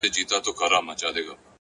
لوړ فکر د نوښتونو دروازه پرانیزي.